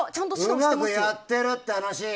うまくやってるって話